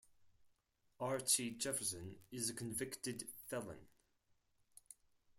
Archie Jefferson is a convicted felon.